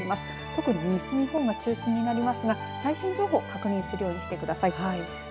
特に西日本が中心になりますが最新情報確認するようにしてください。